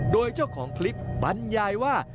โดยเจ้าของคลิปบรรยายว่า